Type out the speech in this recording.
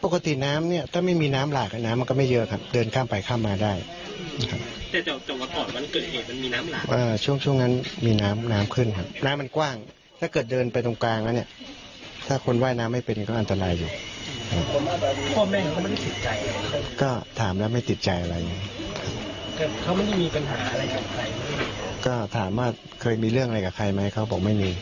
ก็ถามว่าเคยมีเรื่องอะไรกับใครไหมท่านบอกว่าไม่มี